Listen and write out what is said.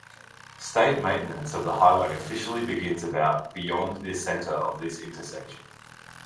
State maintenance of the highway officially begins about beyond the center of this intersection.